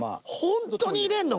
ホントに入れるの？